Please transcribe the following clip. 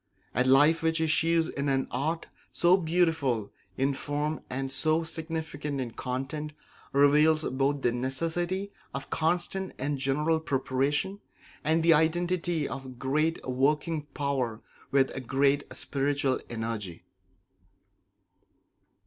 A life which issues in an art so beautiful in form and so significant in content reveals both the necessity of constant and general preparation, and the identity of great working power with great spiritual energy.